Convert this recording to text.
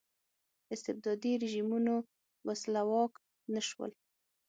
استبدادي رژیمونو ولسواک نه شول.